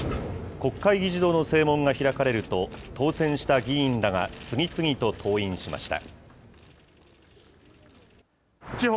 国会議事堂の正門が開かれると、当選した議員らが次々と登院しました。